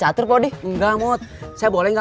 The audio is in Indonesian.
abang gak sedih ga